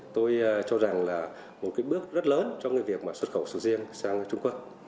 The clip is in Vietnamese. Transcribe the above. tôi cho rằng là một bước rất lớn trong việc xuất khẩu sầu riêng sang trung quốc